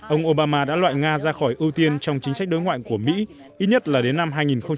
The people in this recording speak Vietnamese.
ông obama đã loại nga ra khỏi ưu tiên trong chính sách đối ngoại của mỹ ít nhất là đến năm hai nghìn hai mươi